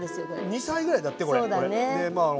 ２歳ぐらいだってこれ俺。